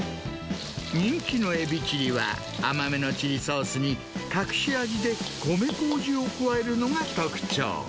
人気のエビチリは、甘めのチリソースに、隠し味で米こうじを加えるのが特徴。